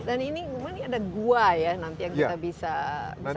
dan ini kemungkinan ini ada gua ya nanti yang kita bisa kunjungi ya